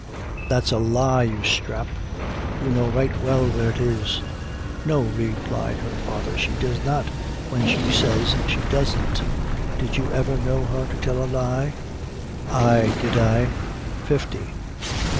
"That's a lie, you sthrap; you know right well where it is." "No," replied her father, "she does not, when she says she doesn't. Did you ever know her to tell a lie?" "Ay did I fifty."